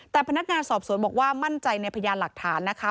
แต่พนักงานสอบสวนบอกว่ามั่นใจในพยานหลักฐานนะคะ